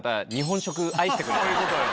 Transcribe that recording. そういうことよ